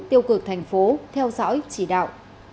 tiêu cực thành phố theo dõi chỉ đạo